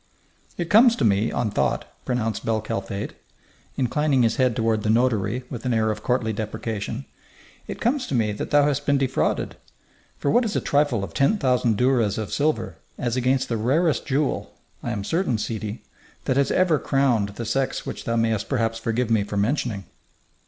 "It comes to me, on thought," pronounced bel Kalfate, inclining his head toward the notary with an air of courtly deprecation "it comes to me that thou hast been defrauded. For what is a trifle of ten thousand douros of silver as against the rarest jewel (I am certain, sidi) that has ever crowned the sex which thou mayest perhaps forgive me for mentioning?"